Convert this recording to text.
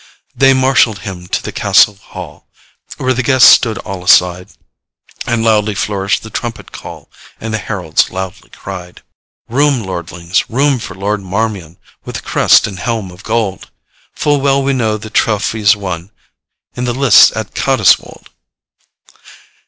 'They marshall'd him to the castle hall, Where the guests stood all aside, And loudly flourished the trumpet call, And the heralds loudly cried: 'Room, lordlings, room for Lord Marmion, With the crest and helm of gold! Full well we know the trophies won In the lists at Cottiswold.